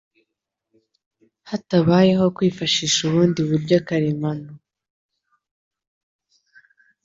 hatabayeho kwifashisha ubundi buryo karemano.